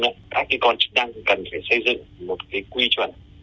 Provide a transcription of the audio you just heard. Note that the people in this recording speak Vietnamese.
các cái con chức năng cần phải xây dựng một cái quy chuẩn